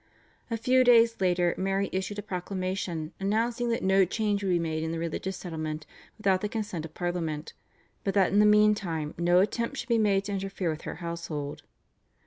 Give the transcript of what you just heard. A few days later Mary issued a proclamation announcing that no change would be made in the religious settlement without the consent of Parliament, but that in the meantime no attempt should be made to interfere with her household.